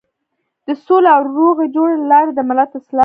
د سولې او روغې جوړې له لارې د ملت اصلاح.